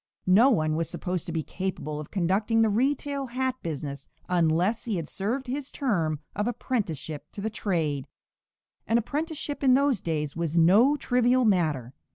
No one was supposed to be capable of conducting the retail hat business unless he had served his term of apprenticeship to the trade, and apprenticeship in those days was no trivial matter.